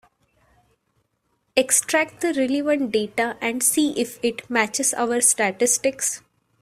Extract the relevant data and see if it matches our statistics.